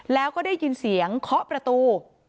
แล้วก็ได้ยินเสียงเคาะประตู